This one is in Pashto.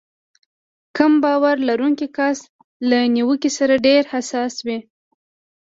کم باور لرونکی کس له نيوکې سره ډېر حساس وي.